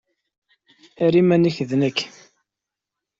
Err iman-ik d nekk.